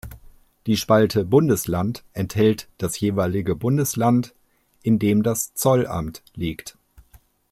Die Spalte Bundesland enthält das jeweilige Bundesland, in dem das Zollamt liegt.